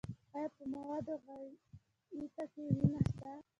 ایا په موادو غایطه کې وینه شته؟